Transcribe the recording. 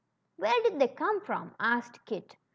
Where did they come from?" asked Kit.